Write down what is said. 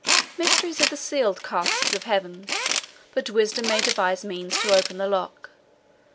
Mysteries are the sealed caskets of Heaven, but wisdom may devise means to open the lock.